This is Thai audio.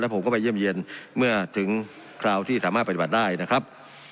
ผมก็ไปเยี่ยมเยี่ยนเมื่อถึงคราวที่สามารถปฏิบัติได้นะครับ